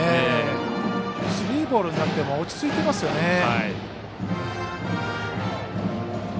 スリーボールになっても落ち着いていますよね。